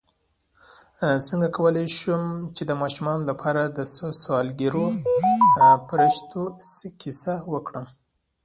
څنګه کولی شم د ماشومانو لپاره د سوالګرو فرښتو کیسه وکړم